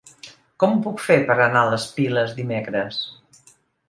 Com ho puc fer per anar a les Piles dimecres?